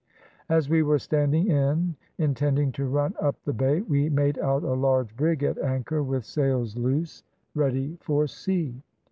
As we were standing in, intending to run up the bay, we made out a large brig at anchor with sails loose, ready for sea.